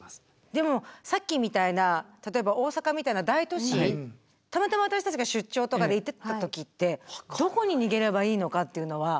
でもさっきみたいな例えば大阪みたいな大都市たまたま私たちが出張とかで行ってた時ってどこに逃げればいいのかっていうのは。